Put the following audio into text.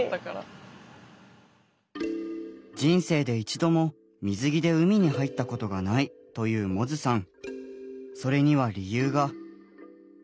人生で一度も水着で海に入ったことがないという百舌さん。